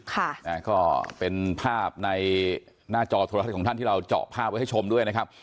ค่ะอ่าก็เป็นภาพในหน้าจอโทรทัศน์ของท่านที่เราเจาะภาพไว้ให้ชมด้วยนะครับ